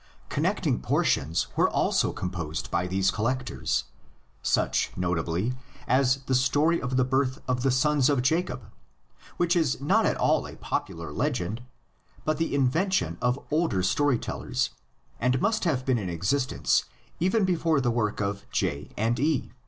Connecting portions were also composed by these collectors, such, notably, as the story of the birth of the sons of Jacob, which is not at all a popular legend but the invention of older story tellers, and must have been in existence even before the work of J and E.